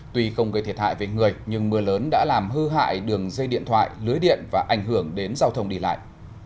tuy không gây thiệt hại về người nhưng mưa lớn đã làm hư hại đường dây điện thoại lưới điện và ảnh hưởng đến giao thông đi lại